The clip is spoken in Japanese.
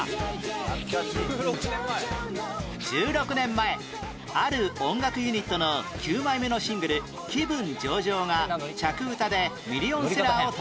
１６年前ある音楽ユニットの９枚目のシングル『気分上々↑↑』が着うたでミリオンセラーを達成